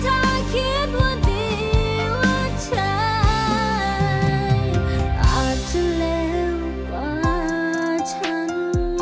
ถ้าคนที่ถ้าคิดว่าดีว่าใช่อาจจะเลวกว่าฉัน